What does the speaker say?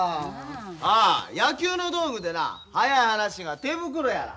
ああ野球の道具でな早い話が手袋やら。